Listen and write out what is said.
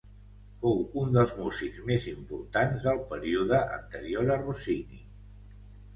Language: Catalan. Fou un dels músics més importants del període anterior a Rossini.